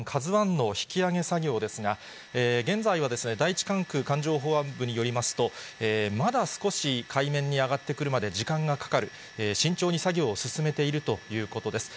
ＫＡＺＵＩの引き揚げ作業ですが、現在は第１管区海上保安部によりますと、まだ少し海面に上がってくるまで時間がかかる、慎重に作業を進めているということです。